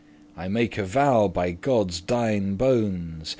I make a vow, by Godde's digne* bones."